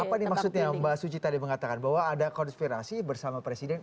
apa nih maksudnya mbak suci tadi mengatakan bahwa ada konspirasi bersama presiden